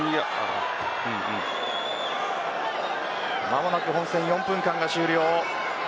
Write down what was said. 間もなく本戦４分間が終了。